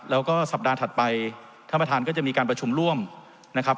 แล้วก็สัปดาห์ถัดไปท่านประธานก็จะมีการประชุมร่วมนะครับ